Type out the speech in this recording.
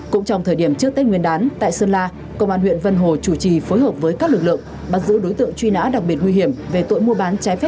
cũng trong thời điểm trước tết nguyên đán tại sơn la công an huyện vân hồ chủ trì phối hợp với các lực lượng bắt giữ đối tượng truy nã đặc biệt nguy hiểm về tội mua bán trái phép